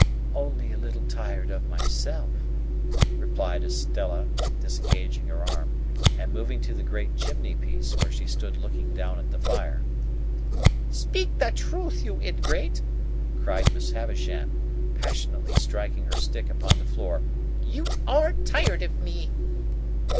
"Only a little tired of myself," replied Estella, disengaging her arm, and moving to the great chimney piece, where she stood looking down at the fire. "Speak the truth, you ingrate!" cried Miss Havisham, passionately striking her stick upon the floor; "you are tired of me."